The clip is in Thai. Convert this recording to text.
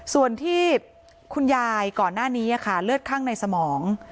ส่วนที่คุณยายก่อนหน้านี้ค่ะเลือดข้างในสมอง